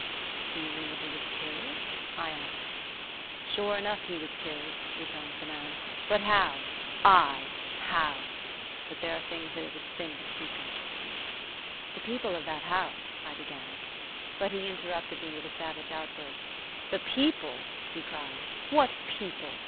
"Do you mean that he was killed?" I asked. "Sure enough, he was killed," returned the man. "But how? Ay, how? But these are things that it is sin to speak of." "The people of that house ..." I began. But he interrupted me with a savage outburst. "The people?" he cried. "What people?